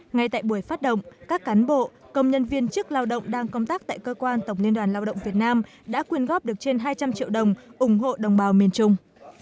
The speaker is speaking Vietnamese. ngay tại buổi phát động các cán bộ công nhân viên chức lao động đang công tác tại cơ quan tổng liên đoàn lao động việt nam đã quyên góp được trên hai trăm linh triệu đồng ủng hộ đồng bào miền trung